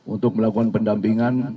untuk melakukan pendampingan